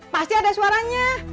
pasti ada suaranya